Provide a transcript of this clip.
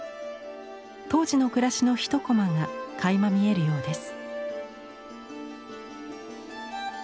当時の暮らしの一コマがかいま見えるようです。